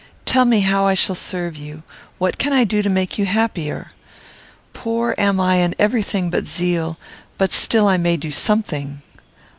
Tell me how I shall serve you. What can I do to make you happier? Poor am I in every thing but zeal, but still I may do something.